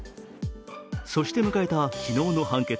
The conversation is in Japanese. そして迎えた昨日の判決。